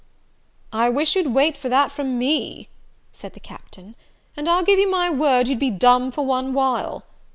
"I wish you'd wait for that from me," said the Captain, "and I'll give you my word you'd be dumb for one while.